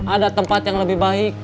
ada tempat yang lebih baik